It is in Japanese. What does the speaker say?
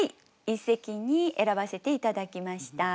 一席に選ばせて頂きました。